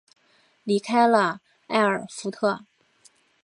离开了艾尔福特。